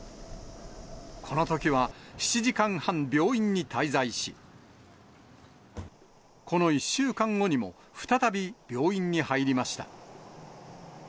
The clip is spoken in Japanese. このときは７時間半、病院に滞在し、この１週間後にも再び病院に入りました。